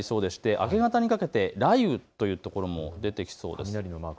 明け方にかけて雷雨というところも出てきそうなんです。